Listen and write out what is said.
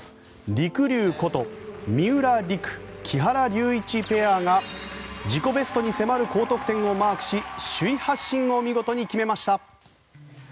りくりゅうこと三浦璃来・木原龍一ペアが自己ベストに迫る高得点をマークし首位発進を見事に決めました。